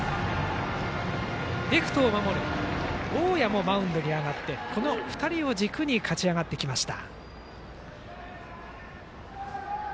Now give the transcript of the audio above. レフトを守る大矢もマウンドに上がってこの２人を軸に勝ち上がってきました。